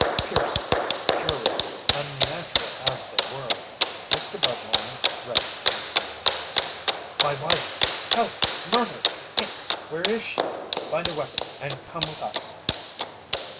Piercing, hair raising, unnatural as they were, Mr. Budlong recognized them. "My wife! Help! Murder! Hicks, where is she? Find a weapon and come with us!"